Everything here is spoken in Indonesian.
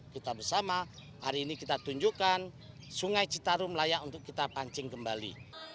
kita bersama hari ini kita tunjukkan sungai citarum layak untuk kita pancing kembali